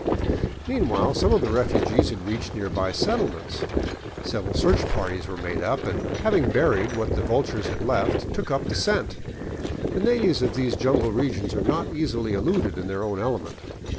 Meanwhile some of the refugees had reached nearby settlements. Several search parties were made up and, having buried what the vultures had left, took up the scent. The natives of these jungle regions are not easily eluded in their own element.